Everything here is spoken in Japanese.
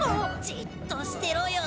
じっとしてろよ。